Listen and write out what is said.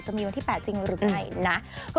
วันที่๘จริงหรือไม่นะ